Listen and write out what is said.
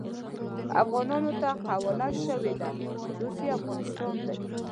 افغانانو ته قواله شوې ده چې اوس يې افغانستان دی.